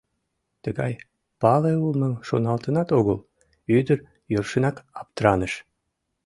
Тыгай пале улмым шоналтынат огыл... — ӱдыр йӧршынак аптыраныш.